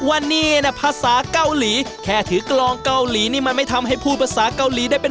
อันนี้ก็คือเกาหลี